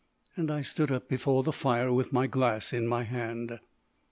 And I stood up before the fire with my glass in my hand.